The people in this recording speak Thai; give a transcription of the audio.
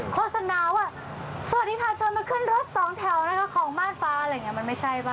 โฆษณาว่าสวัสดีค่ะชนมาขึ้นรถสองแถวนะคะของมาดฟ้าอะไรอย่างนี้มันไม่ใช่ป่ะ